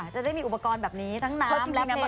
จะได้มีอุปกรณ์แบบนี้ทั้งน้ำและน้ำ